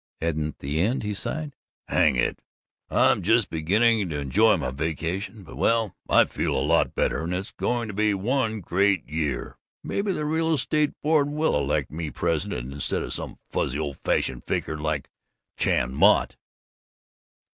At the end he sighed, "Hang it, I'm just beginning to enjoy my vacation. But, well, I feel a lot better. And it's going to be one great year! Maybe the Real Estate Board will elect me president, instead of some fuzzy old fashioned faker like Chan Mott."